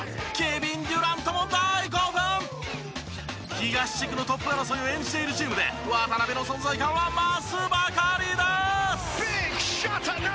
東地区のトップ争いを演じているチームで渡邊の存在感は増すばかりです！